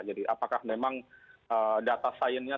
jadi apakah memang data science nya